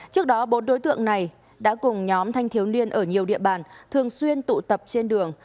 trước đó bốn đối tượng này đã cùng nhóm thanh thiếu niên ở nhiều địa bàn thường xuyên tụ tập trên đường